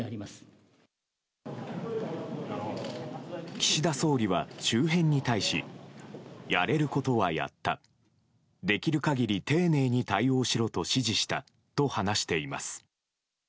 岸田総理は周辺に対しやれることはやったできる限り丁寧に対応しろと指示したと話しています。